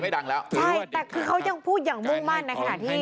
ดังแล้วใช่แต่คือเขายังพูดอย่างมุ่งมั่นในขณะที่